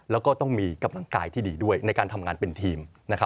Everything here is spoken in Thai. แล้วก็ต้องมีกำลังกายที่ดีด้วยในการทำงานเป็นทีม